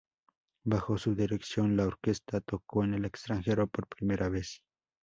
Bajo su dirección, la orquesta tocó en el extranjero por primera vez.